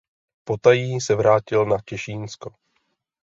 Potají se vrátil na Těšínsko.